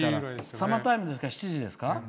サマータイムですと７時ですか？